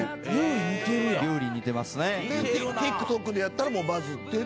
ＴｉｋＴｏｋでやったらバズって？